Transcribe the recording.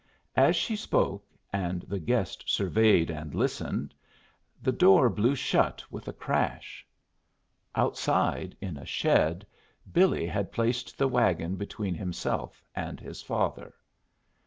As she spoke, and the guest surveyed and listened, the door blew shut with a crash. Outside, in a shed, Billy had placed the wagon between himself and his father.